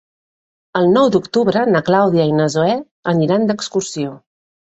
El nou d'octubre na Clàudia i na Zoè aniran d'excursió.